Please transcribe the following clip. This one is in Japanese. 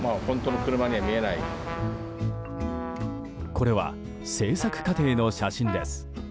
これは製作過程の写真です。